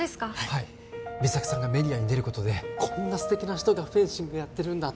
はい三咲さんがメディアに出ることでこんな素敵な人がフェンシングやってるんだ